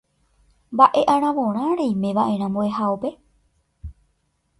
Mba'e aravorã reimeva'erã mbo'ehaópe.